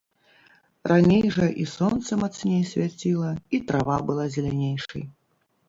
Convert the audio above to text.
Раней жа і сонца мацней свяціла, і трава была зелянейшай.